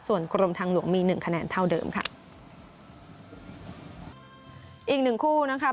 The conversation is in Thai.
ส่วนกรมทางหลวงมีหนึ่งคะแนนเท่าเดิมค่ะอีกหนึ่งคู่นะคะ